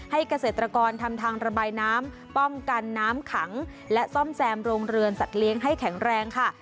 เกษตรกรทำทางระบายน้ำป้องกันน้ำขังและซ่อมแซมโรงเรือนสัตว์เลี้ยงให้แข็งแรงค่ะ